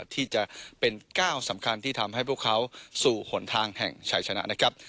ที่จะเป็นก้าวสำคัญที่ทำให้พวกเขาสู่หนทางแห่งชายชนะนะครับ